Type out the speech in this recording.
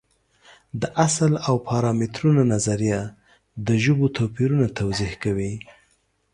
د اصل او پارامترونو نظریه د ژبو توپیرونه توضیح کوي.